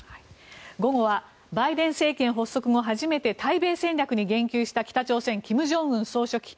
午後はバイデン政権発足後初めて対米戦略に言及した北朝鮮の金正恩総書記。